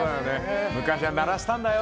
昔は鳴らしたんだよ